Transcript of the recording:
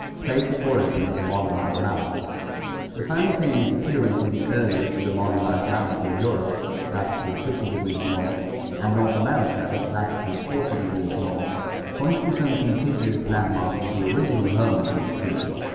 Place of Origin of the Modernized Mammals. — The simulta neous appearance of the earliest of the modernized mammals in Eu rope (lat. 500 N.) and North America (lat. 400 N.) points to some contiguous land mass as the original home of these creatures.